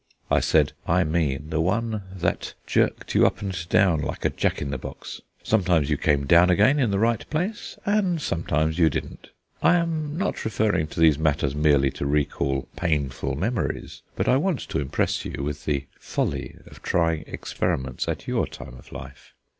'" I said: "I mean the one that jerked you up and down like a Jack in the box; sometimes you came down again in the right place, and sometimes you didn't. I am not referring to these matters merely to recall painful memories, but I want to impress you with the folly of trying experiments at your time of life."